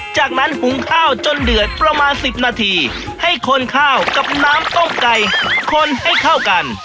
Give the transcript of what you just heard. จากนั้นหุงข้าวจนเดือดประมาณ๑๐นาทีให้คนข้าวกับน้ำต้มไก่คนให้เข้ากัน